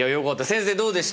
先生どうでした？